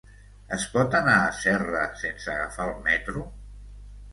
Es pot anar a Serra sense agafar el metro?